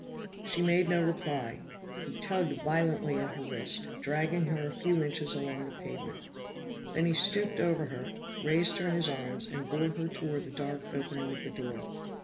She made no reply. He tugged violently at her wrist, dragging her a few inches along the pavement. Then he stooped over her, raised her in his arms, and bore her toward the dark opening of the door.